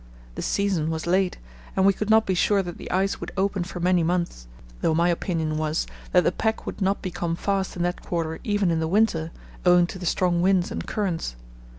The season was late, and we could not be sure that the ice would open for many months, though my opinion was that the pack would not become fast in that quarter even in the winter, owing to the strong winds and currents.